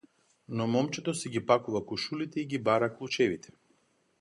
Но момчето си ги пакува кошулите и ги бара клучевите.